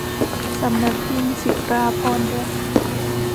สำนักพิมพ์ศิราภรณ์บุ๊คส์